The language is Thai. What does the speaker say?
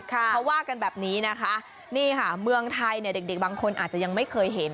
เขาว่ากันแบบนี้นะคะนี่ค่ะเมืองไทยเนี่ยเด็กบางคนอาจจะยังไม่เคยเห็น